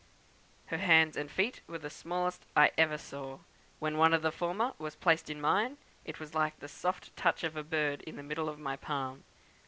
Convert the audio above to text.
Her hands and feet were the smallest I ever saw; when one of the former was placed in mine, it was like the soft touch of a bird in the middle of my palm.